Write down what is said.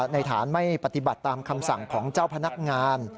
ในฐานไม่ปฏิบัติตามคำสั่งของเจ้าพนักงาน